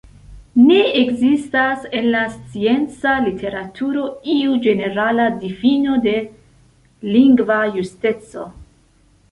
Ne ekzistas en la scienca literaturo iu ĝenerala difino de 'lingva justeco'.